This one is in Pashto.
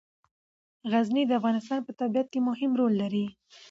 غزني د افغانستان په طبیعت کې مهم رول لري.